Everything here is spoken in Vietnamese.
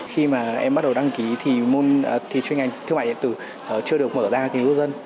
khi mà em bắt đầu đăng ký thì chuyên ngành thương mại điện tử chưa được mở ra kỳ lưu dân